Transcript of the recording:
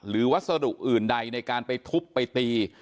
วัสดุอื่นใดในการไปทุบไปตี